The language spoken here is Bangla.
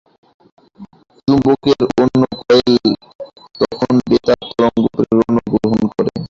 চুম্বকের অন্য কয়েল তখন বেতার তরঙ্গ প্রেরণ ও গ্রহণ করে।